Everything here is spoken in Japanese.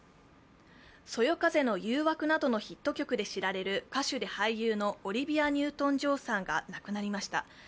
「そよ風の誘惑」などのヒット曲で知られる歌手で俳優のオリビア・ニュートン＝ジョンさんが亡くなりました。